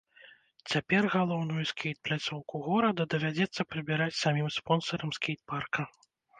Цяпер галоўную скейт-пляцоўку горада давядзецца прыбіраць самім спонсарам скейтпарка.